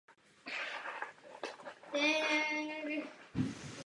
Měl velký vliv mezi polskými poslanci a dokázal mezi nimi prosadit svou vůli.